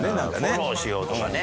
フォローしようとかね。